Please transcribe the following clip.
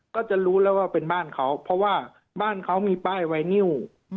ก็จะรู้แล้วว่าเป็นบ้านเขาเพราะว่าบ้านเขามีป้ายไวนิว